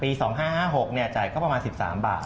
ปี๒๕๕๖จ่ายก็ประมาณ๑๓บาท